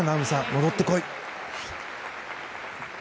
戻ってこい！